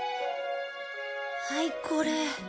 はいこれ。